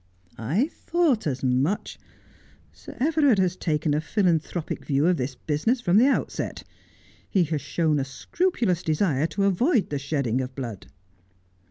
' I thought as much. Sir Everard has taken a philanthropic view of this business from the outset. He has shown a scrupu lous desire to avoid the shedding of blood.'